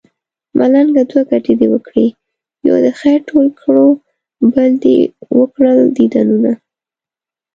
ملنګه دوه ګټې دې وکړې يو دې خير ټول کړو بل دې وکړل ديدنونه